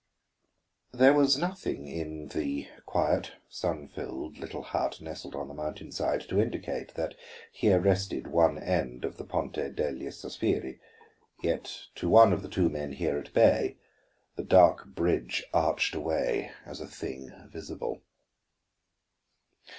_'"There was nothing in the quiet, sun filled, little hut nestled on the mountain side, to indicate that here rested one end of the Ponte degli Sospiri. Yet to one of the two men here at bay, the dark bridge arched away as a thing visible.